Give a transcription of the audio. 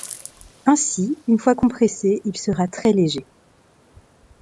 Ainsi, une fois compressé, il sera très léger.